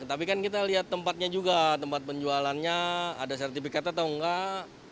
tapi kan kita lihat tempatnya juga tempat penjualannya ada sertifikat atau enggak